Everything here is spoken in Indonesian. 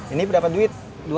ini berapa duit